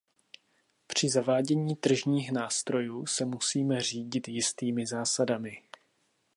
Při zavádění tržních nástrojů se musíme řídit jistými zásadami.